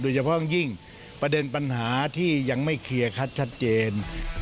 เฉพาะยิ่งประเด็นปัญหาที่ยังไม่เคลียร์คัดชัดเจน